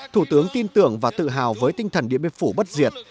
thủ tướng tin tưởng và tự hào với tinh thần địa biệt phủ bất diệt